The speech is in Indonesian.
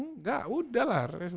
enggak udah lah